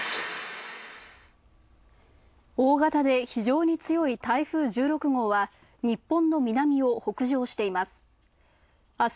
大型で非常に強い台風１６号は、日本の南を北上しています。